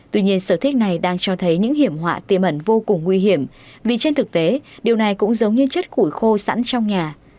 tuy nhiên sở thích này đang cho thấy những hiểm họa tiềm ẩn vô cùng nguy hiểm vì trên thực tế điều này cũng giống như chất củi khô sẵn trong nhà